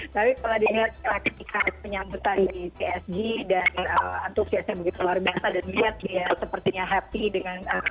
tapi kalau di indonesia penyambutan di psg dan untuk csm begitu luar biasa dan lihat dia sepertinya happy dengan welcoming